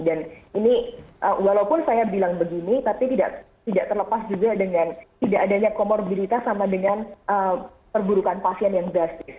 dan ini walaupun saya bilang begini tapi tidak terlepas juga dengan tidak adanya comorbiditas sama dengan perburukan pasien yang drastis